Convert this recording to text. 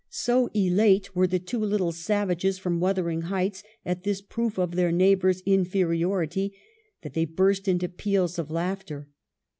So elate were the two little savages from Wuthering Heights at this proof of their neighbors' inferi ority, that they burst into peals of laughter.